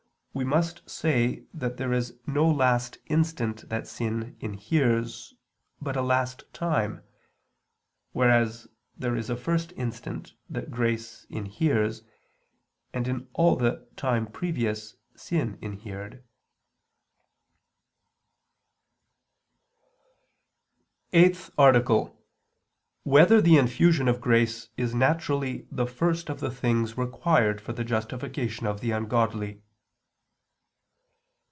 we must say that there is no last instant that sin inheres, but a last time; whereas there is a first instant that grace inheres; and in all the time previous sin inhered. ________________________ EIGHTH ARTICLE [I II, Q. 113, Art. 8] Whether the Infusion of Grace Is Naturally the First of the Things Required for the Justification of the Ungodly?